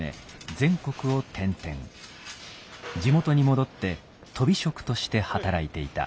地元に戻ってとび職として働いていた。